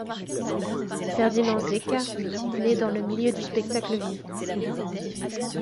Ferdinand Zecca naît dans le milieu du spectacle vivant.